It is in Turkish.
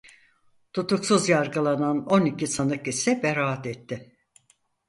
Tutuksuz yargılanan on iki sanık ise beraat etti.